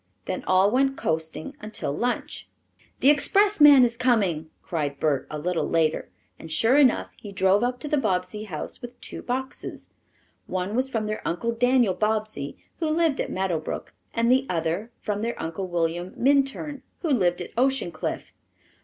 Then all went coasting until lunch. "The expressman is coming!" cried Bert a little later, and sure enough he drove up to the Bobbsey house with two boxes. One was from their Uncle Daniel Bobbsey, who lived at Meadow Brook, and the other from their Uncle William Minturn, who lived at Ocean Cliff.